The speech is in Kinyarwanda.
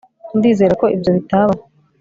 ndizera ko ibyo bitabaho